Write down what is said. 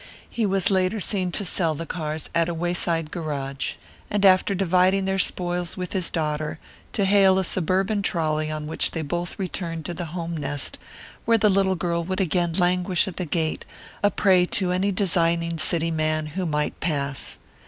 He was later seen to sell the cars at a wayside garage, and, after dividing their spoils with his daughter, to hail a suburban trolley upon which they both returned to the home nest, where the little girl would again languish at the gate, a prey to any designing city man who might pass.